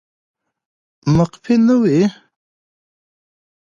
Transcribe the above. مقفي نه وي